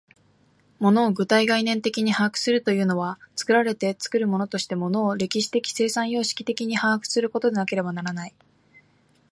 物を具体概念的に把握するというのは、作られて作るものとして物を歴史的生産様式的に把握することでなければならない。